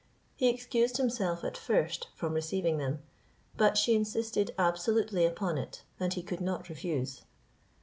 He excused himself at first from receiving them, but she insisted absolutely upon it, and he could not refuse.